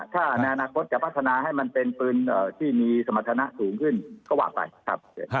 ถ้าในอนาคตจะพัฒนาให้มันเป็นปืนที่มีสมรรถนะสูงขึ้นก็ว่าไปครับ